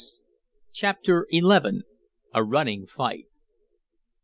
CHAPTER XI. A RUNNING FIGHT.